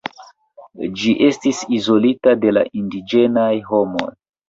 Ĝi estis izolita de la indiĝenaj homoj.